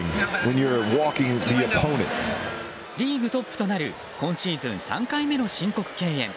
リーグトップとなる今シーズン３回目の申告敬遠。